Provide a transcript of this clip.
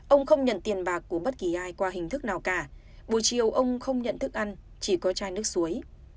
ông không nhận tiền bạc của bất kỳ ai qua hình thức nào cả buổi chiều ông không nhận thức ăn chỉ có chai nước suối